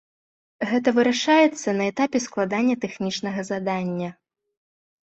Гэта вырашаецца на этапе складання тэхнічнага задання.